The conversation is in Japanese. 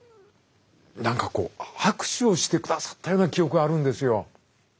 何かこう握手をしてくださったような記憶があるんですよ。